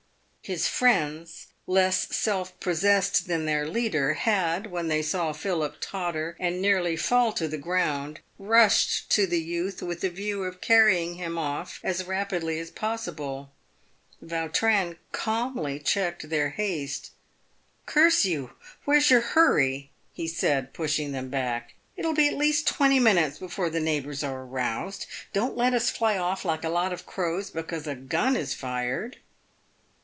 His friends, less self possessed than their leader, had, when they saw Philip totter and nearly fall to the ground, rushed to the youth with the view of carrying him off as rapidly as possible. Yautrin calmly checked their haste. " Curse you, where's your hurry," he said, pushing them back. " It will be at least twenty minutes before the neighbours are aroused. Don't let us fly off like a lot of crows because a gun is fired."